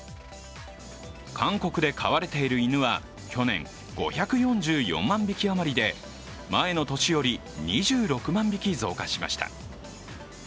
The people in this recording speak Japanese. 韓国で飼われている犬は去年５４４匹余りで、前の年より２６万匹増加しました。